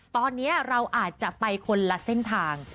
ตอนนี้เราอาจจะไปคนละเส้นทาง